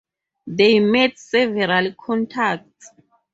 They made several contacts.